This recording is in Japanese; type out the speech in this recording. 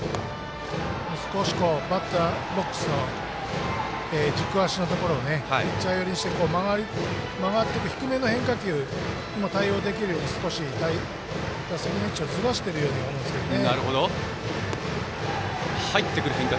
少し、バッターボックスの軸足のところをピッチャー寄りにして曲がっていく低めの変化球にも対応できるように打席の位置をずらしているように思うんですよね。